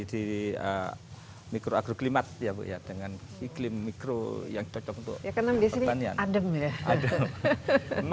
di mikro agroklimat ya bu ya dengan iklim mikro yang cocok untuk ekonomi pertanian adem ya adem